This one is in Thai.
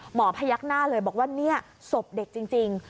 พยักหน้าเลยบอกว่าเนี่ยศพเด็กจริง